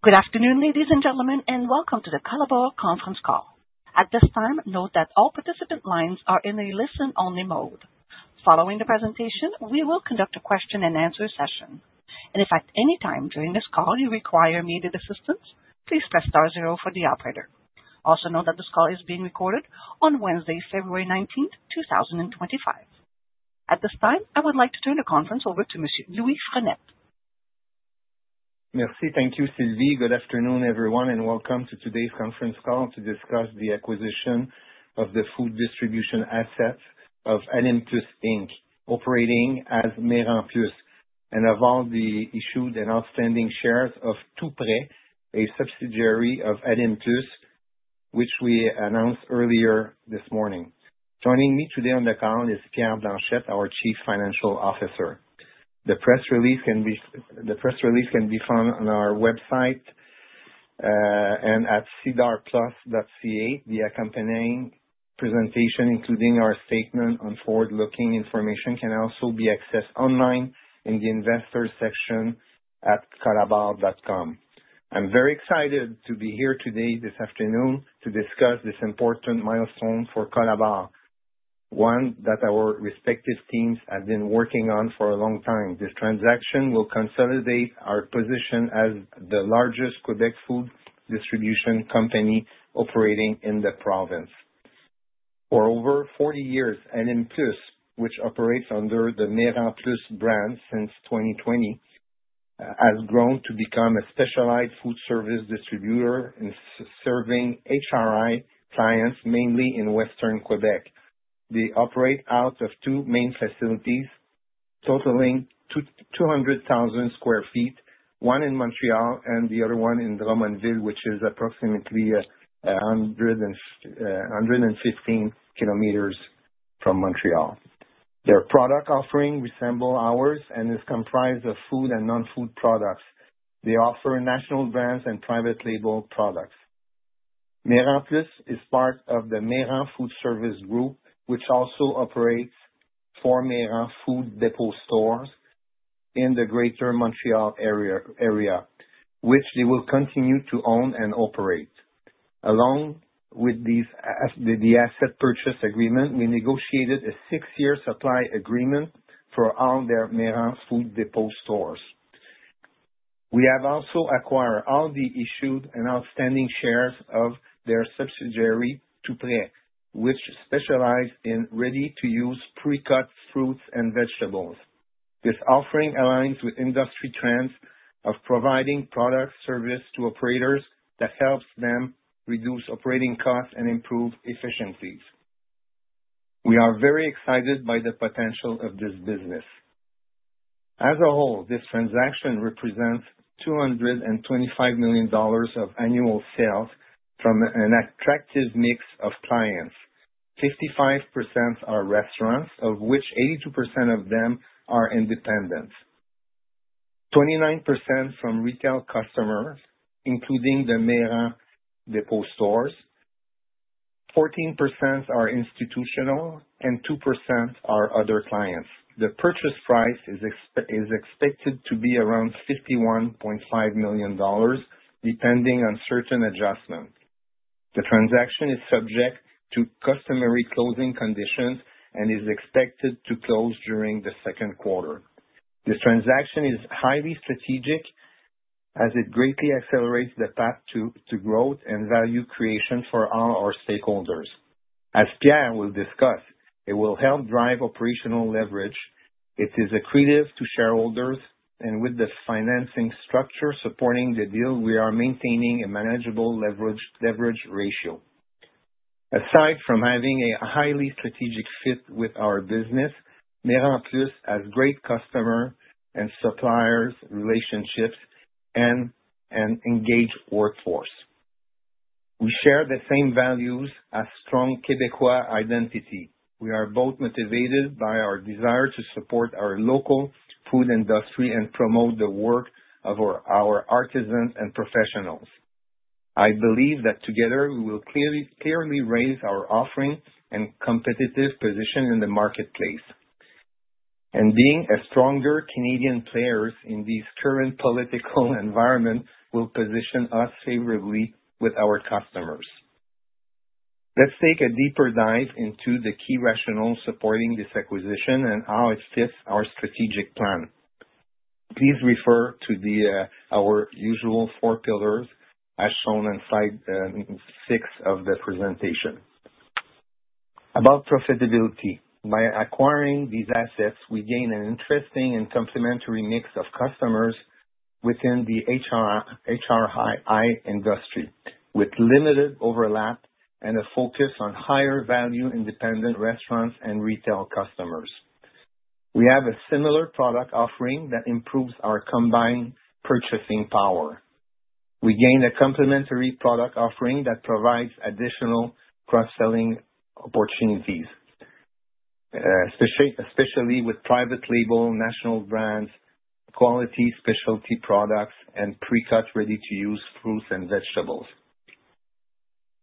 Good afternoon, ladies and gentlemen, and welcome to the Collabor Group conference call. At this time, note that all participant lines are in a listen-only mode. Following the presentation, we will conduct a question-and-answer session. If at any time during this call you require immediate assistance, please press star zero for the operator. Also note that this call is being recorded on Wednesday, February 19th, 2025. At this time, I would like to turn the conference over to Monsieur Louis Frenette. Merci, thank you, Sylvie. Good afternoon, everyone, and welcome to today's conference call to discuss the acquisition of the food distribution assets of Alimplus Inc., operating as Maire en Plus, and of all the issued and outstanding shares of Toupret, a subsidiary of Alimplus, which we announced earlier this morning. Joining me today on the call is Pierre Blanchette, our Chief Financial Officer. The press release can be found on our website and at cidarplus.ca. The accompanying presentation, including our statement on forward-looking information, can also be accessed online in the investor section at collabor.com. I'm very excited to be here today, this afternoon, to discuss this important milestone for Collabor, one that our respective teams have been working on for a long time. This transaction will consolidate our position as the largest Quebec food distribution company operating in the province. For over 40 years, Alimplus, which operates under the Maire en Plus brand since 2020, has grown to become a specialized food service distributor serving HRI clients, mainly in Western Quebec. They operate out of two main facilities, totaling 200,000 square feet, one in Montreal and the other one in Drummondville, which is approximately 115 kilometers from Montreal. Their product offering resembles ours and is comprised of food and non-food products. They offer national brands and private label products. Maire en Plus is part of the Maire en Food Service Group, which also operates four Maire en Food Depot stores in the greater Montreal area, which they will continue to own and operate. Along with the asset purchase agreement, we negotiated a six-year supply agreement for all their Maire en Food Depot stores. We have also acquired all the issued and outstanding shares of their subsidiary, Toupret, which specializes in ready-to-use pre-cut fruits and vegetables. This offering aligns with industry trends of providing product service to operators that helps them reduce operating costs and improve efficiencies. We are very excited by the potential of this business. As a whole, this transaction represents $225 million of annual sales from an attractive mix of clients. 55% are restaurants, of which 82% of them are independent; 29% from retail customers, including the Maire en Depot stores; 14% are institutional; and 2% are other clients. The purchase price is expected to be around $51.5 million, depending on certain adjustments. The transaction is subject to customary closing conditions and is expected to close during the second quarter. This transaction is highly strategic as it greatly accelerates the path to growth and value creation for all our stakeholders. As Pierre will discuss, it will help drive operational leverage. It is accretive to shareholders, and with the financing structure supporting the deal, we are maintaining a manageable leverage ratio. Aside from having a highly strategic fit with our business, Maire en Plus has great customer and supplier relationships and an engaged workforce. We share the same values as a strong Québécois identity. We are both motivated by our desire to support our local food industry and promote the work of our artisans and professionals. I believe that together, we will clearly raise our offering and competitive position in the marketplace. Being stronger Canadian players in this current political environment will position us favorably with our customers. Let's take a deeper dive into the key rationale supporting this acquisition and how it fits our strategic plan. Please refer to our usual four pillars as shown in slide six of the presentation. About profitability: by acquiring these assets, we gain an interesting and complementary mix of customers within the HRI industry, with limited overlap and a focus on higher-value independent restaurants and retail customers. We have a similar product offering that improves our combined purchasing power. We gain a complementary product offering that provides additional cross-selling opportunities, especially with private label, national brands, quality specialty products, and pre-cut ready-to-use fruits and vegetables.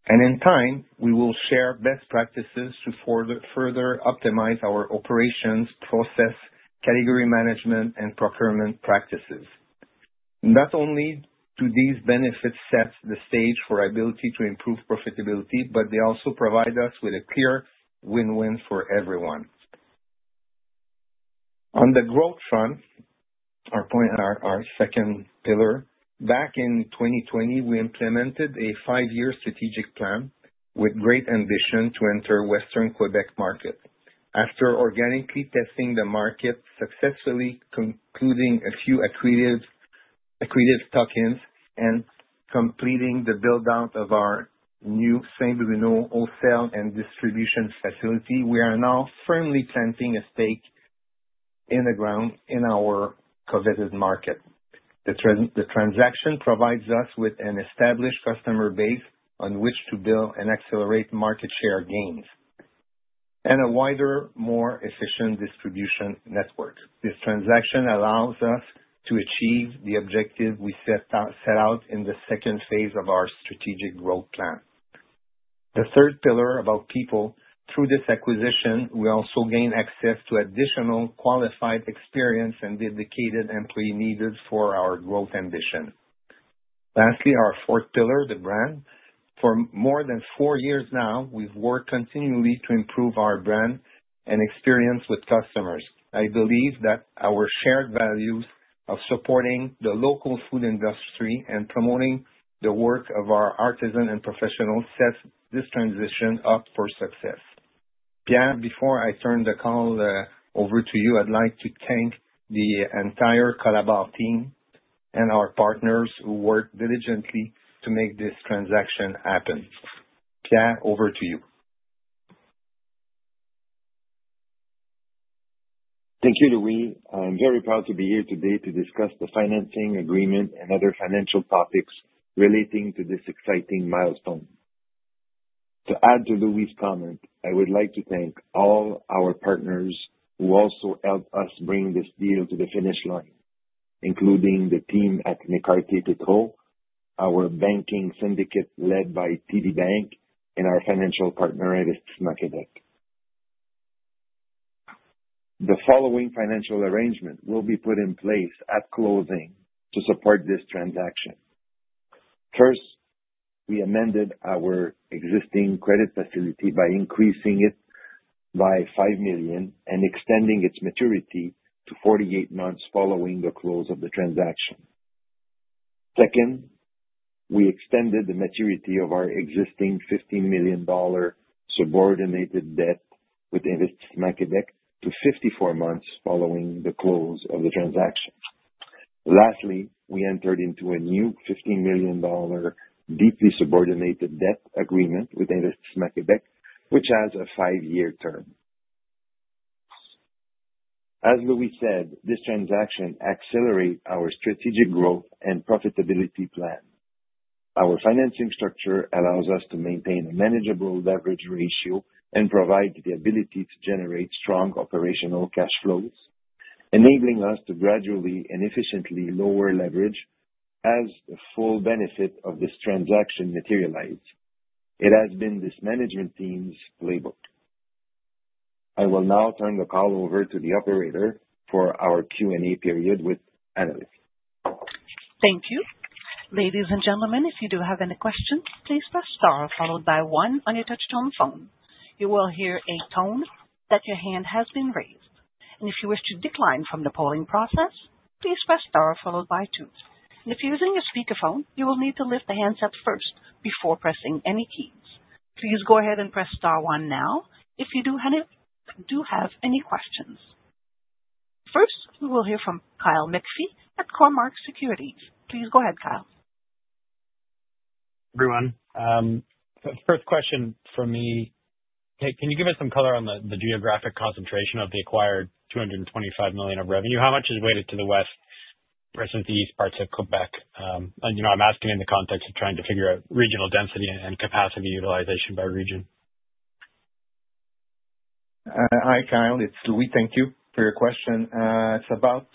In time, we will share best practices to further optimize our operations, process, category management, and procurement practices. Not only do these benefits set the stage for our ability to improve profitability, but they also provide us with a clear win-win for everyone. On the growth front, our second pillar, back in 2020, we implemented a five-year strategic plan with great ambition to enter Western Quebec market. After organically testing the market, successfully concluding a few accretive acquisitions, and completing the build-out of our new Saint-Bruno wholesale and distribution facility, we are now firmly planting a stake in the ground in our coveted market. The transaction provides us with an established customer base on which to build and accelerate market share gains, and a wider, more efficient distribution network. This transaction allows us to achieve the objective we set out in the second phase of our strategic growth plan. The third pillar about people: through this acquisition, we also gain access to additional qualified experience and dedicated employees needed for our growth ambition. Lastly, our fourth pillar, the brand: for more than four years now, we've worked continually to improve our brand and experience with customers. I believe that our shared values of supporting the local food industry and promoting the work of our artisans and professionals set this transition up for success. Pierre, before I turn the call over to you, I'd like to thank the entire Collabor team and our partners who worked diligently to make this transaction happen. Pierre, over to you. Thank you, Louis. I'm very proud to be here today to discuss the financing agreement and other financial topics relating to this exciting milestone. To add to Louis' comment, I would like to thank all our partners who also helped us bring this deal to the finish line, including the team at McCarthy Petrol, our banking syndicate led by TD Bank, and our financial partner, Arist Maquette. The following financial arrangement will be put in place at closing to support this transaction. First, we amended our existing credit facility by increasing it by $5 million and extending its maturity to 48 months following the close of the transaction. Second, we extended the maturity of our existing $15 million subordinated debt with Arist Maquette to 54 months following the close of the transaction. Lastly, we entered into a new $15 million deeply subordinated debt agreement with Arist Maquette, which has a five-year term. As Louis said, this transaction accelerates our strategic growth and profitability plan. Our financing structure allows us to maintain a manageable leverage ratio and provides the ability to generate strong operational cash flows, enabling us to gradually and efficiently lower leverage as the full benefit of this transaction materializes. It has been this management team's playbook. I will now turn the call over to the operator for our Q&A period with Annelies. Thank you. Ladies and gentlemen, if you do have any questions, please press star followed by one on your touch-tone phone. You will hear a tone that your hand has been raised. If you wish to decline from the polling process, please press star followed by two. If you're using your speakerphone, you will need to lift the handset first before pressing any keys. Please go ahead and press star one now if you do have any questions. First, we will hear from Kyle McPhee at CoreMark Securities. Please go ahead, Kyle. Everyone, first question for me: can you give us some color on the geographic concentration of the acquired $225 million of revenue? How much is weighted to the west versus the east parts of Quebec? I'm asking in the context of trying to figure out regional density and capacity utilization by region. Hi, Kyle. It's Louis. Thank you for your question. It's about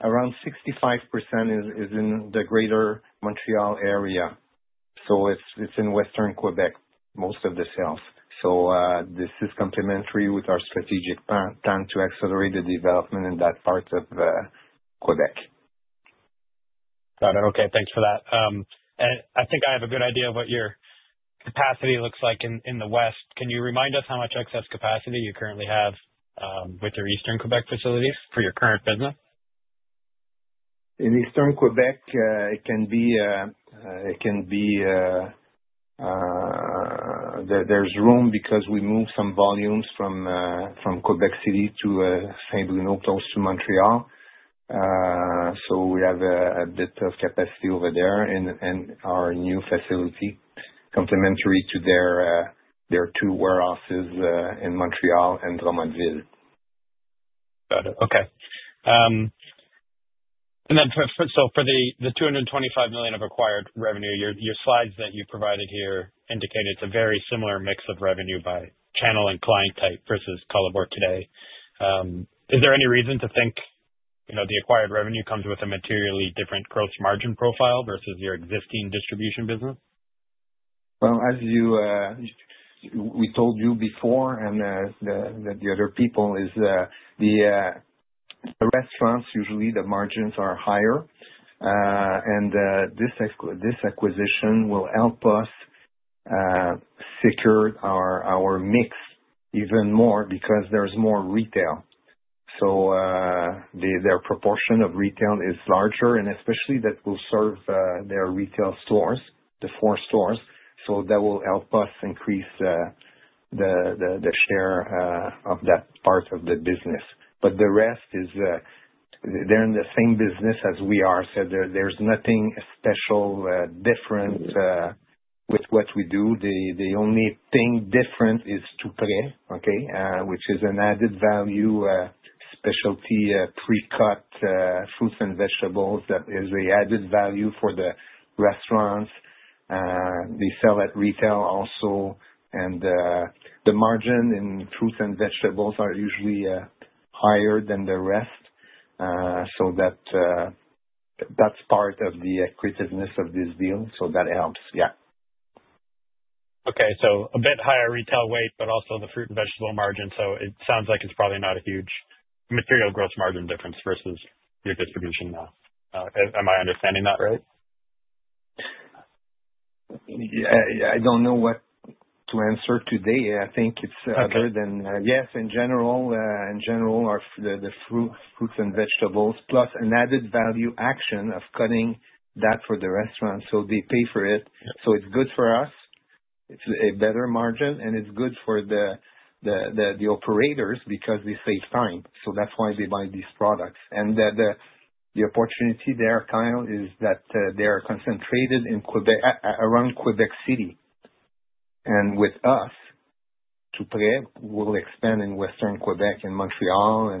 around 65% is in the greater Montreal area. So it's in Western Quebec, most of the sales. This is complementary with our strategic plan to accelerate the development in that part of Quebec. Got it. Okay. Thanks for that. I think I have a good idea of what your capacity looks like in the west. Can you remind us how much excess capacity you currently have with your Eastern Quebec facilities for your current business? In Eastern Quebec, there's room because we moved some volumes from Quebec City to Saint-Bruno, close to Montreal. So we have a bit of capacity over there in our new facility, complementary to their two warehouses in Montreal and Drummondville. Got it. Okay. And then so for the $225 million of acquired revenue, your slides that you provided here indicate it's a very similar mix of revenue by channel and client type versus Collabor today. Is there any reason to think the acquired revenue comes with a materially different gross margin profile versus your existing distribution business? As we told you before and the other people, the restaurants usually the margins are higher. This acquisition will help us secure our mix even more because there's more retail. So their proportion of retail is larger, and especially that will serve their retail stores, the four stores. That will help us increase the share of that part of the business. But the rest, they're in the same business as we are. So there's nothing special different with what we do. The only thing different is Toupret, which is an added value specialty pre-cut fruits and vegetables that is an added value for the restaurants. They sell at retail also. The margin in fruits and vegetables are usually higher than the rest. So that's part of the accretiveness of this deal. That helps. So a bit higher retail weight, but also the fruit and vegetable margin. It sounds like it's probably not a huge material gross margin difference versus your distribution now. Am I understanding that right? I don't know what to answer today. I think it's good. In general, the fruits and vegetables, plus an added value action of cutting that for the restaurants. They pay for it. It's good for us. It's a better margin. It's good for the operators because they save time. That's why they buy these products. The opportunity there, Kyle, is that they are concentrated around Quebec City. With us, Toupret will expand in Western Quebec and Montreal.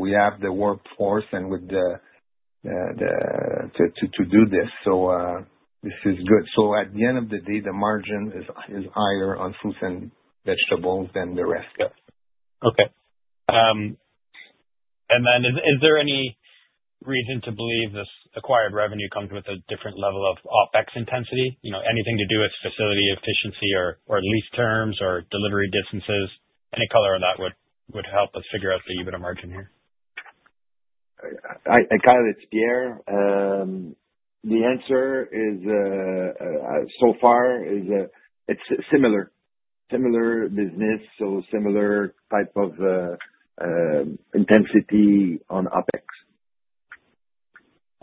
We have the workforce and with the to do this. This is good. At the end of the day, the margin is higher on fruits and vegetables than the rest. Okay. And then is there any reason to believe this acquired revenue comes with a different level of OPEX intensity? Anything to do with facility efficiency or lease terms or delivery distances? Any color on that would help us figure out the EBITDA margin here? Kyle, it's Pierre. The answer so far is it's a similar business, so similar type of intensity on OPEX.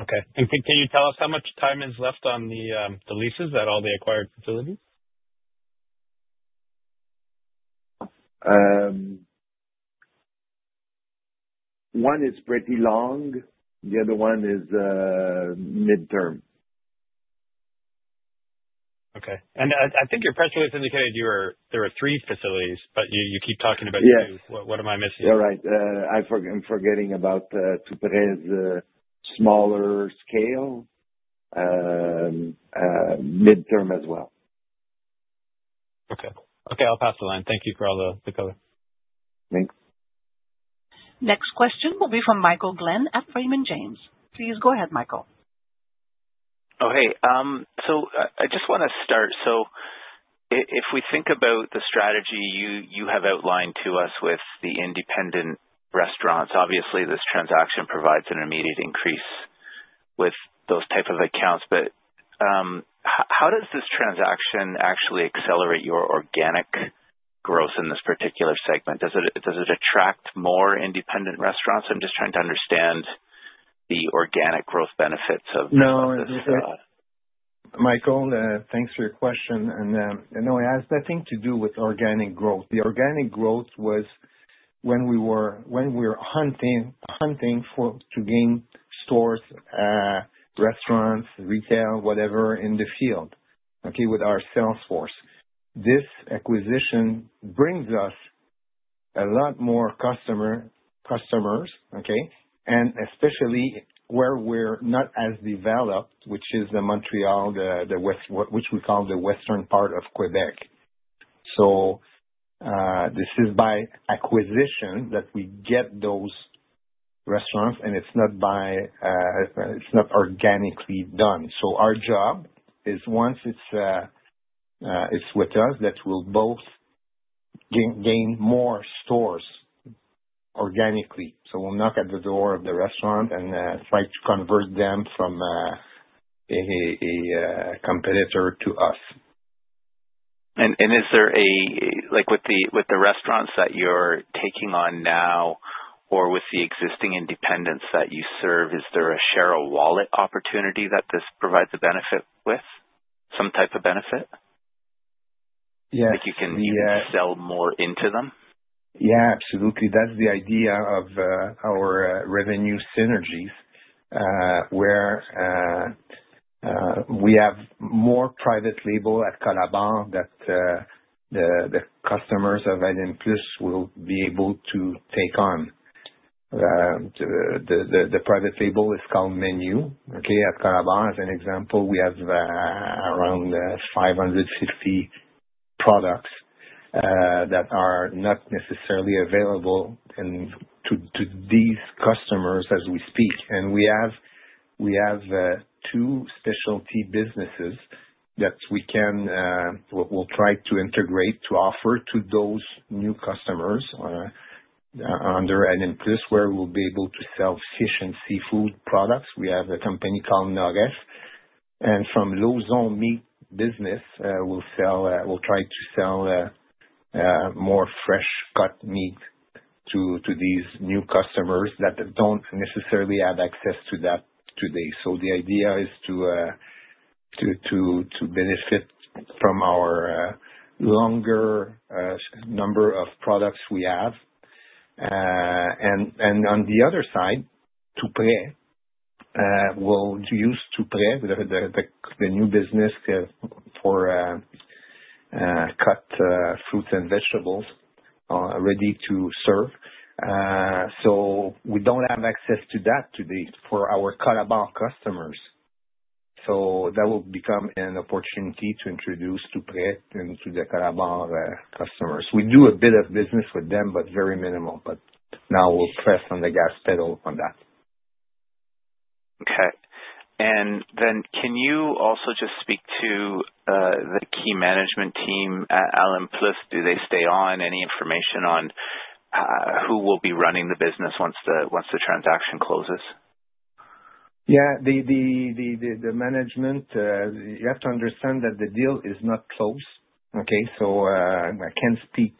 Okay. And can you tell us how much time is left on the leases at all the acquired facilities? One is pretty long. The other one is midterm. Okay. I think your press release indicated there are three facilities, but you keep talking about two. What am I missing? Yeah. You're right. I'm forgetting about Toupret's smaller scale, midterm as well. Okay. Okay. I'll pass the line. Thank you for all the color. Thanks. Next question will be from Michael Glenn at Freeman James. Please go ahead, Michael. Hey. I just want to start. If we think about the strategy you have outlined to us with the independent restaurants, obviously, this transaction provides an immediate increase with those types of accounts. But how does this transaction actually accelerate your organic growth in this particular segment? Does it attract more independent restaurants? I'm just trying to understand the organic growth benefits of this. No, Michael, thanks for your question. No, it has nothing to do with organic growth. The organic growth was when we were hunting to gain stores, restaurants, retail, whatever in the field with our sales force. This acquisition brings us a lot more customers and especially where we're not as developed, which is the Montreal, which we call the western part of Quebec. This is by acquisition that we get those restaurants, and it's not organically done. Our job is once it's with us, that we'll both gain more stores organically. We'll knock at the door of the restaurant and try to convert them from a competitor to us. Is there a share of wallet opportunity with the restaurants that you're taking on now or with the existing independents that you serve that this provides a benefit with, some type of benefit? Yes. Like you can sell more into them? Yeah, absolutely. That's the idea of our revenue synergies where we have more private label at Collabor that the customers of Arist Maquette will be able to take on. The private label is called Menu at Collabor. As an example, we have around 550 products that are not necessarily available to these customers as we speak. We have two specialty businesses that we'll try to integrate to offer to those new customers under Arist Maquette where we'll be able to sell fish and seafood products. We have a company called Noggess. From low-zone meat business, we'll try to sell more fresh-cut meat to these new customers that don't necessarily have access to that today. So the idea is to benefit from our longer number of products we have. On the other side, Toupret, we'll use Toupret, the new business for cut fruits and vegetables ready to serve. We don't have access to that today for our Collabor customers. That will become an opportunity to introduce Toupret into the Collabor customers. We do a bit of business with them, but very minimal. Now we'll press on the gas pedal on that. Okay. And then can you also just speak to the key management team at Arist Maquette? Do they stay on? Any information on who will be running the business once the transaction closes? The management, you have to understand that the deal is not closed, okay? So I can't speak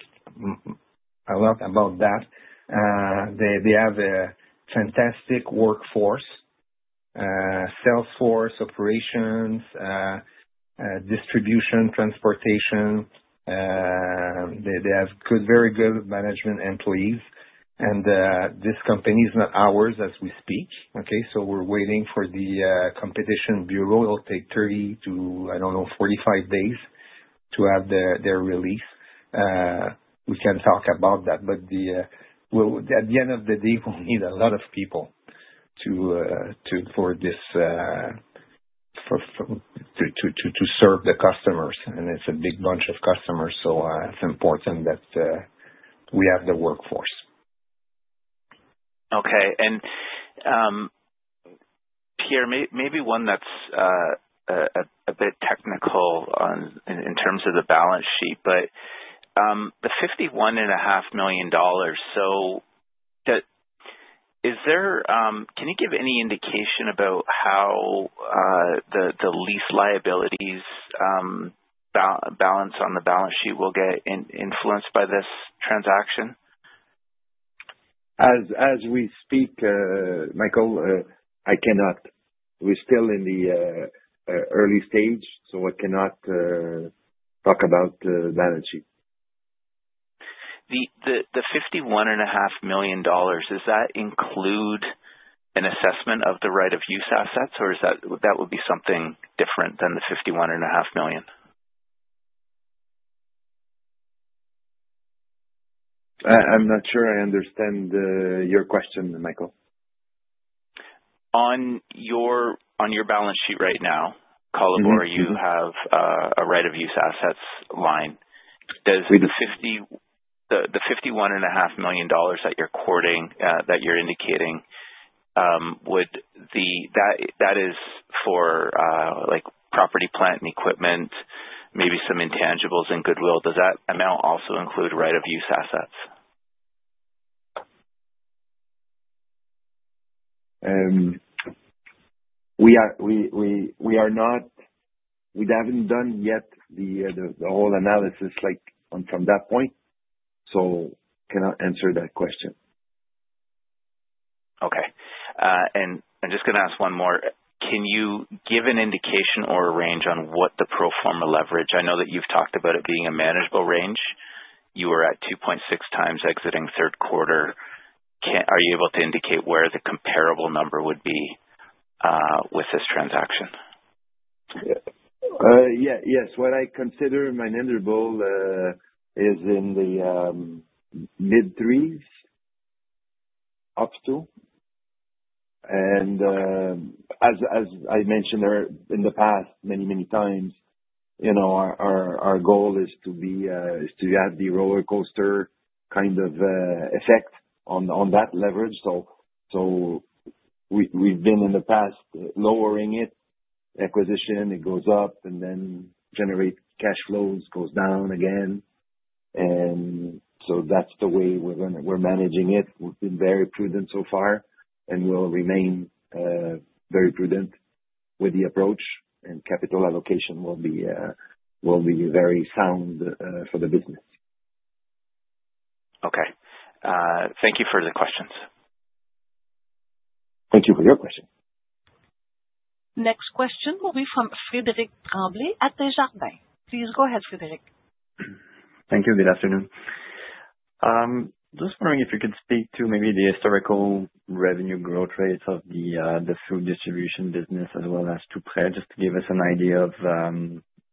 a lot about that. They have a fantastic workforce, sales force, operations, distribution, transportation. They have very good management employees. This company is not ours as we speak, okay? So we're waiting for the competition bureau. It'll take 30 to, I don't know, 45 days to have their release. We can talk about that. But at the end of the day, we'll need a lot of people for this to serve the customers. It's a big bunch of customers. So it's important that we have the workforce. Okay. And Pierre, maybe one that's a bit technical in terms of the balance sheet, but the $51.5 million, so can you give any indication about how the lease liabilities balance on the balance sheet will get influenced by this transaction? As we speak, Michael, I cannot. We're still in the early stage, so I cannot talk about the balance sheet. The $51.5 million, does that include an assessment of the right of use assets, or that would be something different than the $51.5 million? I'm not sure I understand your question, Michael. On your balance sheet right now, Collabor, you have a right of use assets line. The $51.5 million that you're indicating, that is for property, plant, and equipment, maybe some intangibles and goodwill. Does that amount also include right of use assets? We have not done the whole analysis from that point yet. So I cannot answer that question. Okay. I'm just going to ask one more. Can you give an indication or a range on what the pro forma leverage? I know that you've talked about it being a manageable range. You were at 2.6 times exiting third quarter. Are you able to indicate where the comparable number would be with this transaction? Yes. What I consider manageable is in the mid-threes up to. As I mentioned in the past many, many times, our goal is to have the roller coaster kind of effect on that leverage. So we've been in the past lowering it. Acquisition, it goes up, and then generate cash flows goes down again. That's the way we're managing it. We've been very prudent so far, and we'll remain very prudent with the approach. Capital allocation will be very sound for the business. Okay. Thank you for the questions. Thank you for your question. Next question will be from Frédérick Tremblay at Desjardins. Please go ahead, Frédérick. Thank you. Good afternoon. Just wondering if you could speak to maybe the historical revenue growth rates of the food distribution business as well as Toupret, just to give us an idea of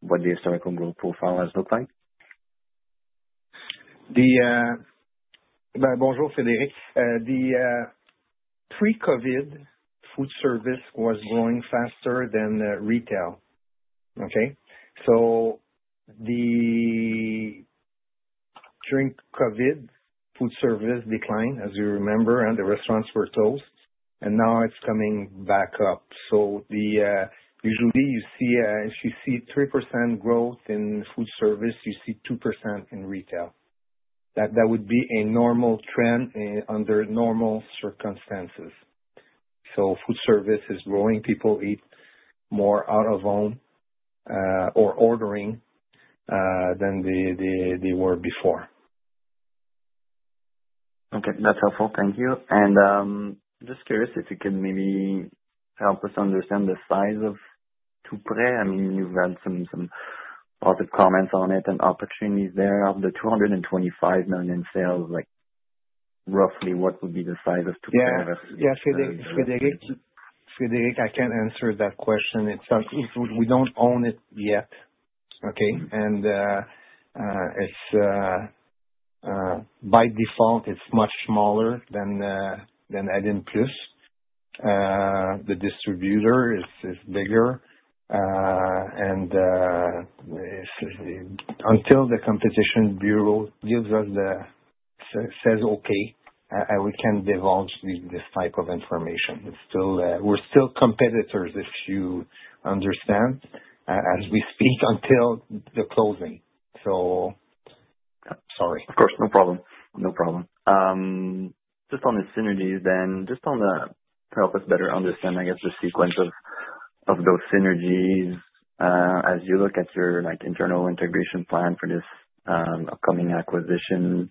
what the historical growth profile has looked like. Bonjour, Frédérick. The pre-COVID food service was growing faster than retail, okay? During COVID, food service declined, as you remember, and the restaurants were closed. Now it's coming back up. Usually, if you see 3% growth in food service, you see 2% in retail. That would be a normal trend under normal circumstances. Food service is growing. People eat more out of home or ordering than they were before. Okay. That's helpful. Thank you. I'm just curious if you can maybe help us understand the size of Toupret. I mean, you've had some positive comments on it and opportunities there. Of the $225 million sales, roughly, what would be the size of Toupret? Yeah. Yeah. Frédérick, I can't answer that question. We don't own it yet, okay? By default, it's much smaller than Arist Maquette. The distributor is bigger. Until the competition bureau gives us the okay, we can't divulge this type of information. We're still competitors, if you understand, as we speak until the closing. So sorry. Of course. No problem. No problem. Just on the synergies then, just to help us better understand, I guess, the sequence of those synergies, as you look at your internal integration plan for this upcoming acquisition,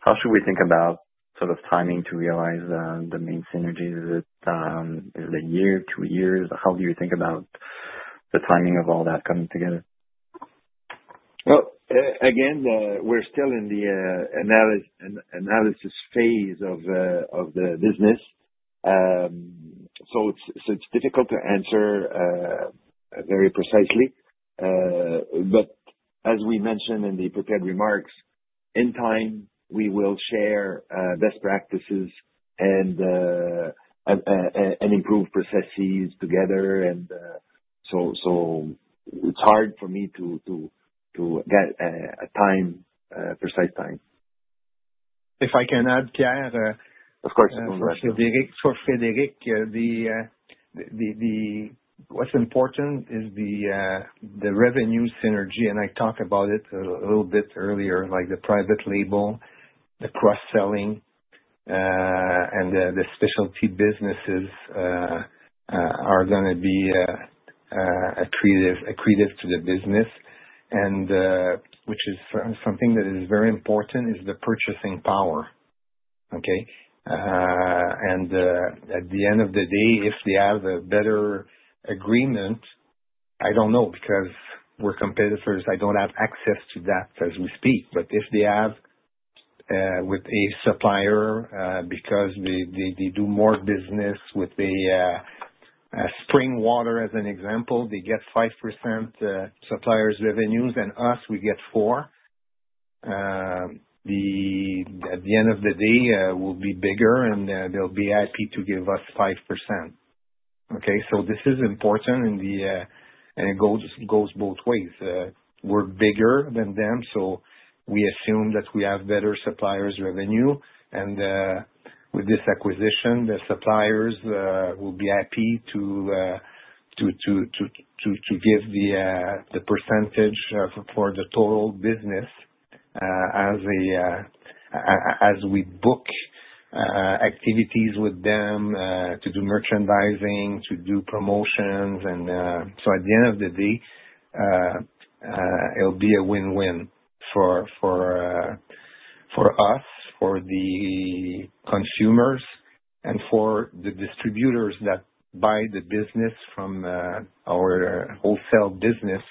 how should we think about sort of timing to realize the main synergies? Is it a year, two years? How do you think about the timing of all that coming together? Again, we're still in the analysis phase of the business. So it's difficult to answer very precisely. But as we mentioned in the prepared remarks, in time, we will share best practices and improve processes together. And so it's hard for me to get a precise time. If I can add, Pierre. Of course. For Frédérick, what's important is the revenue synergy. I talked about it a little bit earlier, like the private label, the cross-selling, and the specialty businesses are going to be accredited to the business, which is something that is very important, is the purchasing power, okay? At the end of the day, if they have a better agreement, I don't know, because we're competitors, I don't have access to that as we speak. But if they have with a supplier, because they do more business with a spring water as an example, they get 5% suppliers' revenues, and us, we get 4%. At the end of the day, we'll be bigger, and they'll be happy to give us 5%, okay? So this is important, and it goes both ways. We're bigger than them, so we assume that we have better suppliers' revenue. With this acquisition, the suppliers will be happy to give the percentage for the total business as we book activities with them to do merchandising, to do promotions. At the end of the day, it'll be a win-win for us, for the consumers, and for the distributors that buy the business from our wholesale business.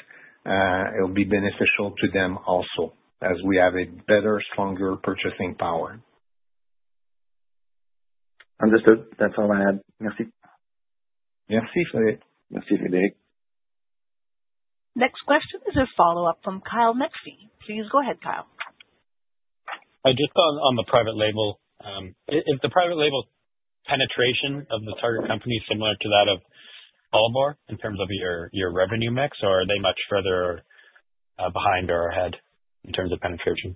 It'll be beneficial to them also as we have a better, stronger purchasing power. Understood. That's all I had. Merci. Merci, Frédérick. Merci, Frédérick. Next question is a follow-up from Kyle Metze. Please go ahead, Kyle. Just on the private label, is the private label penetration of the target company similar to that of Collabor in terms of your revenue mix, or are they much further behind or ahead in terms of penetration?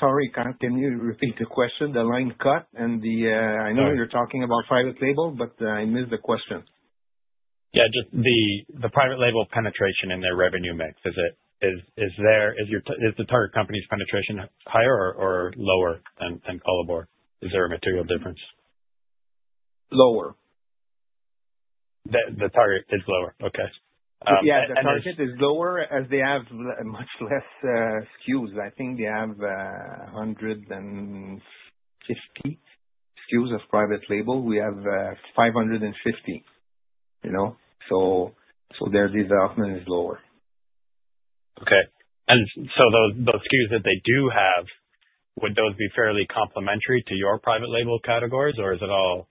Sorry, Kyle, can you repeat the question? The line cut, and I know you're talking about private label, but I missed the question. Yeah. Just the private label penetration in their revenue mix, is the target company's penetration higher or lower than Collabor? Is there a material difference? Lower. The target is lower. Okay. Yeah. The target is lower as they have much less SKUs. I think they have 150 SKUs of private label. We have 550. So their development is lower. Okay. And so those SKUs that they do have, would those be fairly complementary to your private label categories, or is it all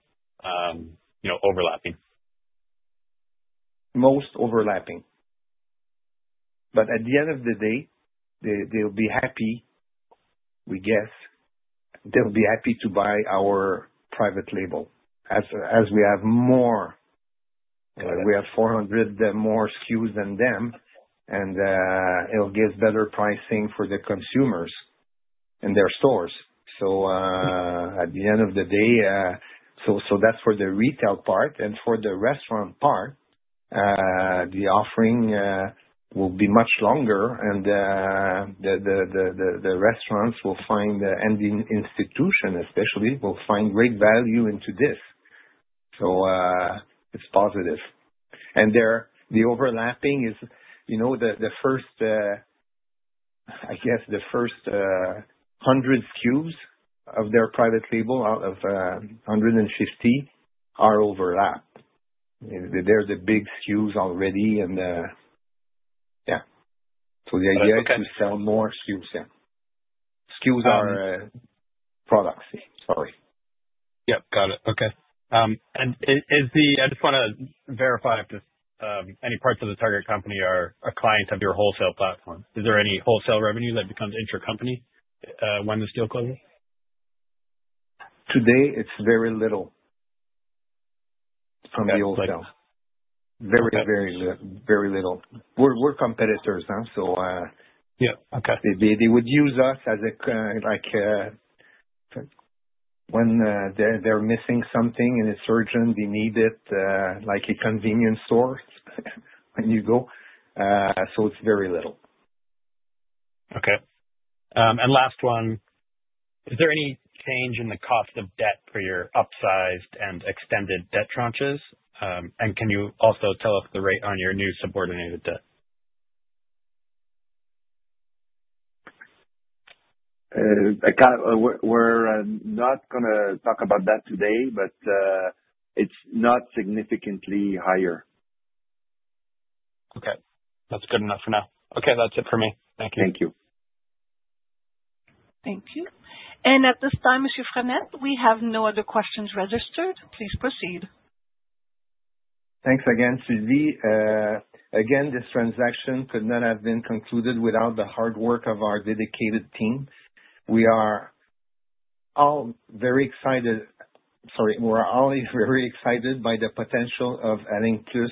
overlapping? Most overlapping. But at the end of the day, they'll be happy, we guess. They'll be happy to buy our private label as we have more. We have 400 more SKUs than them, and it'll give better pricing for the consumers in their stores. At the end of the day, that's for the retail part. For the restaurant part, the offering will be much longer, and the restaurants will find, and the institution especially, will find great value into this. It's positive. The overlapping is, I guess, the first 100 SKUs of their private label out of 150 are overlapped. They're the big SKUs already. The idea is to sell more SKUs. SKUs are products. Yep. Got it. Okay. I just want to verify if any parts of the target company are a client of your wholesale platform. Is there any wholesale revenue that becomes intercompany when the deal closes? Today, it's very little from the wholesale. Very, very little. We're competitors, so they would use us as a when they're missing something in a surgery, they need it like a convenience store when you go. So it's very little. Okay. And last one, is there any change in the cost of debt for your upsized and extended debt tranches? And can you also tell us the rate on your new subordinated debt? We're not going to talk about that today, but it's not significantly higher. Okay. That's good enough for now. Okay. That's it for me. Thank you. Thank you. Thank you. And at this time, Monsieur Frenette, we have no other questions registered. Please proceed. Thanks again, Sylvie. Again, this transaction could not have been concluded without the hard work of our dedicated team. We are all very excited by the potential of Arist Maquette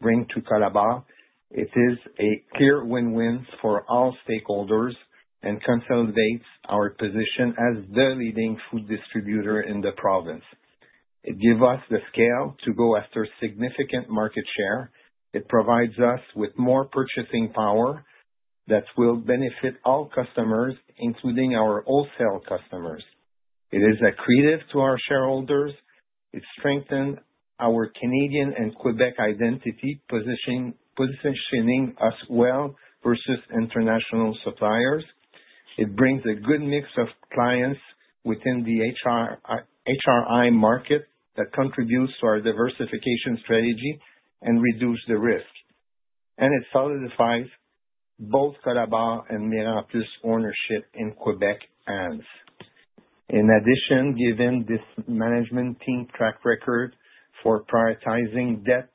bringing to Collabor. It is a clear win-win for all stakeholders and consolidates our position as the leading food distributor in the province. It gives us the scale to go after significant market share. It provides us with more purchasing power that will benefit all customers, including our wholesale customers. It is accredited to our shareholders. It strengthens our Canadian and Quebec identity, positioning us well versus international suppliers. It brings a good mix of clients within the HRI market that contributes to our diversification strategy and reduces the risk. It solidifies both Collabor and Miraplus' ownership in Quebec hands. In addition, given this management team track record for prioritizing debt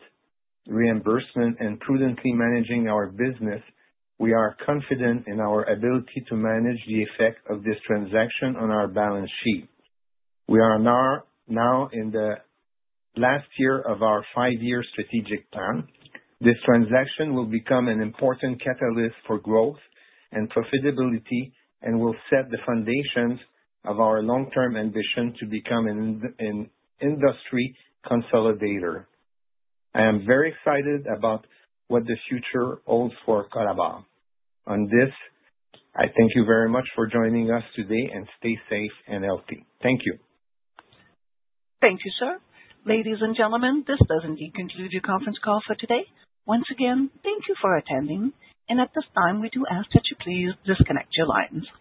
reimbursement and prudently managing our business, we are confident in our ability to manage the effect of this transaction on our balance sheet. We are now in the last year of our five-year strategic plan. This transaction will become an important catalyst for growth and profitability and will set the foundations of our long-term ambition to become an industry consolidator. I am very excited about what the future holds for Collabor. On this, I thank you very much for joining us today, and stay safe and healthy. Thank you. Thank you, sir. Ladies and gentlemen, this does indeed conclude your conference call for today. Once again, thank you for attending. At this time, we do ask that you please disconnect your lines.